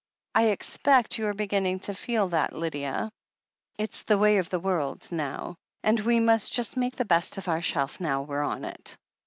I expect you're be ginning to feel that, Lydia. It's the way of the world, and we must just make the best of our shelf, now we're on it."